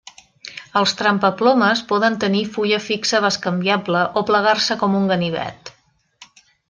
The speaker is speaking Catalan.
Els trempaplomes poden tenir fulla fixa bescanviable o plegar-se com un ganivet.